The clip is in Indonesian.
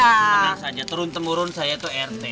senang saja turun temurun saya itu rt